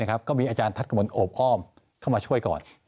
ก็มีอาจารย์ทัศน์กระมวลโอบอ้อมเข้ามาช่วยก่อน